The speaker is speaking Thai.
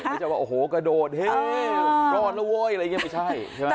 ไม่ใช่ว่าโอ้โหกระโดดเฮ้รอดแล้วเว้ยอะไรอย่างนี้ไม่ใช่ใช่ไหม